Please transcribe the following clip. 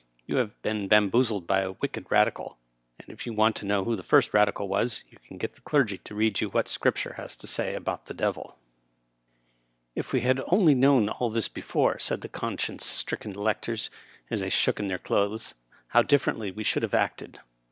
You have been bamboozled, by a wicked Eadical, and, if you want to know who the first Radical was, you can get the clergy to read you what Scripture has to say about the devil." Digitized by VjOOQIC 172 EILET, M.P. "If we had only known all this before," said the conscience stricken electors, as they shook in their clothes, " how differently we should have acted."